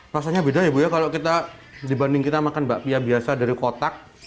rasanya beda ya bu ya kalau kita dibanding kita makan bakpia biasa dari kotak